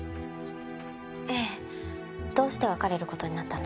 「ええ」どうして別れる事になったんですか？